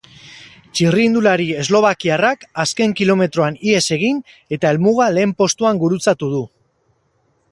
Txirrindulari eslovakiarrak azken kilometroan ihes egin eta helmuga lehen postuan gurutzatu du.